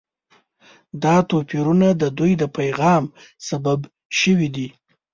دا توپیرونه د دوی د پیغام سبب شوي دي.